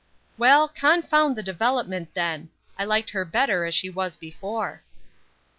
"Well, confound the development then! I liked her better as she was before."